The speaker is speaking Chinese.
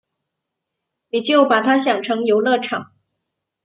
你就把他想成游乐场